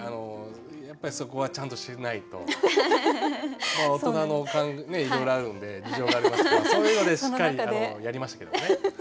そこはちゃんとしないと大人のいろいろあるんで事情がありますからそういうのでしっかりやりましたけどね。